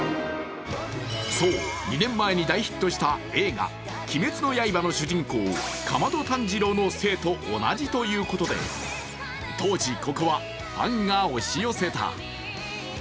そう、２年前に大ヒットした映画「鬼滅の刃」の主人公、竈門炭治郎の姓と同じということで、当時、ここはファンが押し寄せた。